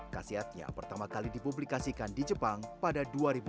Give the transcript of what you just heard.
kasiatnya pertama kali dipublikasikan di jepang pada dua ribu empat belas